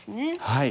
はい。